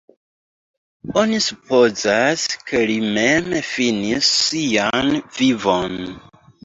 Oni supozas, ke li mem finis sian vivon.